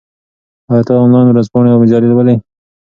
آیا ته انلاین ورځپاڼې او مجلې لولې؟